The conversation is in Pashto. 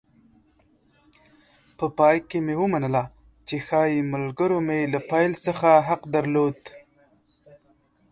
په پای کې مې ومنله چې ښایي ملګرو مې له پیل څخه حق درلود.